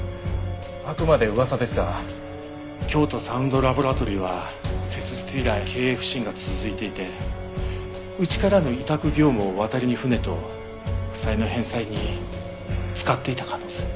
あくまで噂ですが京都サウンド・ラボラトリーは設立以来経営不振が続いていてうちからの委託業務を渡りに船と負債の返済に使っていた可能性も。